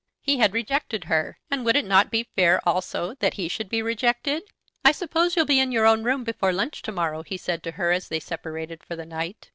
He had rejected her, and would it not be fair also that he should be rejected? "I suppose you'll be in your own room before lunch to morrow," he said to her as they separated for the night.